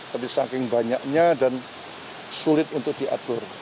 tapi saking banyaknya dan sulit untuk diatur